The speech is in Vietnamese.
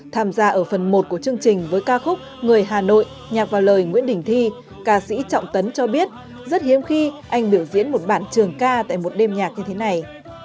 tham gia ở phần một của chương trình với ca khúc người hà nội nhạc vào lời nguyễn đình thi ca sĩ trọng tấn cho biết rất hiếm khi anh biểu diễn một bạn trường ca tại một đêm nhạc như thế này